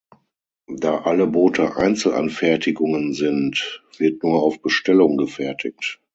Da alle Boote Einzelanfertigungen sind, wird nur auf Bestellung gefertigt.